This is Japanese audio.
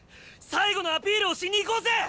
最後のアピールをしに行こうぜ！